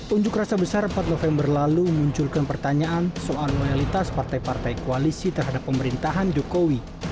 unjuk rasa besar empat november lalu memunculkan pertanyaan soal loyalitas partai partai koalisi terhadap pemerintahan jokowi